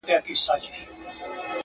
تجرۍ دي که جېبونه صندوقونه.